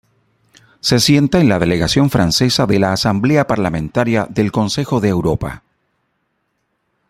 Se sienta en la delegación francesa de la Asamblea Parlamentaria del Consejo de Europa.